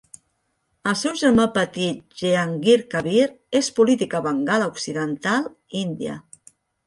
El seu germà petit Jehangir Kabir és polític a Bengala Occidental, Índia.